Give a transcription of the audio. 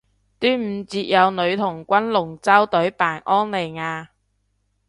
端午節有女童軍龍舟隊扮安妮亞